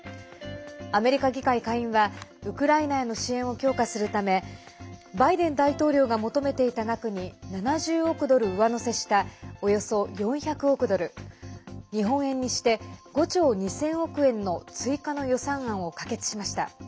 アメリカ議会下院はウクライナへの支援を強化するためバイデン大統領が求めていた額に７０億ドル上乗せしたおよそ４００億ドル日本円にして５兆２０００億円の追加の予算案を可決しました。